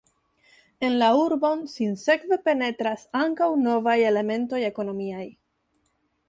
En la urbon sinsekve penetras ankaŭ novaj elementoj ekonomiaj.